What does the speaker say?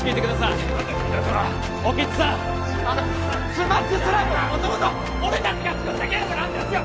スマッシュスライドはもともと俺達が作ったゲームなんですよ！